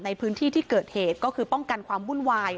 ในพื้นที่ที่เกิดเหตุก็คือป้องกันความวุ่นวาย